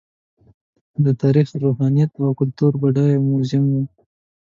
دا د تاریخ، روحانیت او کلتور بډایه موزیم و.